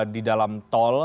di dalam tol